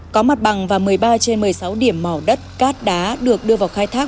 có mặt bằng và một mươi ba trên một mươi sáu điểm mỏ đất cát đá được đưa vào khai thác